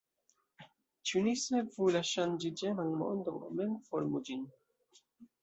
Ĉu ni sekvu la ŝanĝiĝeman mondon aŭ mem formu ĝin?